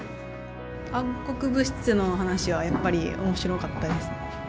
暗黒物質の話はやっぱり面白かったです。